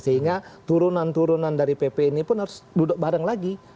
sehingga turunan turunan dari pp ini pun harus duduk bareng lagi